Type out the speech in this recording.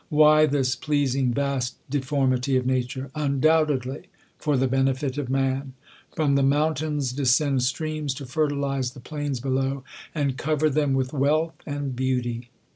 Why this pleasing, vast deformity of nature,? Undoubtedly for the benefit of man. From the mou tains descend streams to fertilize the plains below, a < over them with wealth and beauty.